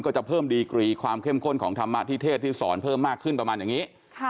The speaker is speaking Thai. ก็จะเพิ่มดีกรีความเข้มข้นของธรรมที่เทศที่สอนเพิ่มมากขึ้นประมาณอย่างนี้